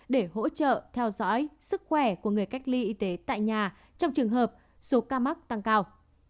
để hỗ trợ theo dõi sức khỏe của người cách ly y tế tại nhà trong trường hợp số ca mắc tăng cao